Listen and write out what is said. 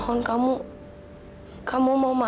tapi kamu harus lupakan saya